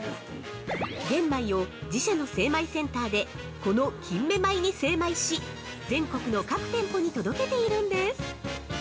◆玄米を自社の精米センターでこの金芽米に精米し、全国の各店舗に届けているんです。